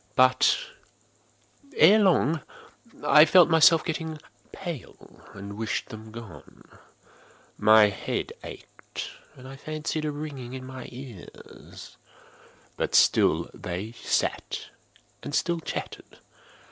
But, ere long, I felt myself getting pale and wished them gone. My head ached, and I fancied a ringing in my ears: but still they sat and still chatted.